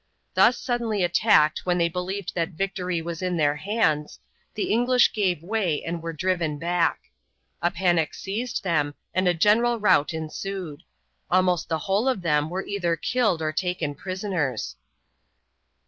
Thus suddenly attacked when they believed that victory was in their hands, the English gave way and were driven back. A panic seized them and a general rout ensued. Almost the whole of them were either killed or taken prisoners.